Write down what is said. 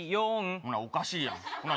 ほら、おかしいやん。